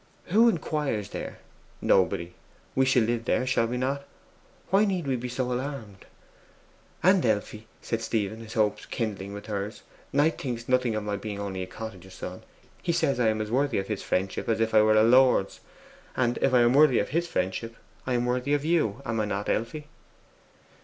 Who inquires there? Nobody. We shall live there, shall we not? Why need we be so alarmed?' 'And Elfie,' said Stephen, his hopes kindling with hers, 'Knight thinks nothing of my being only a cottager's son; he says I am as worthy of his friendship as if I were a lord's; and if I am worthy of his friendship, I am worthy of you, am I not, Elfride?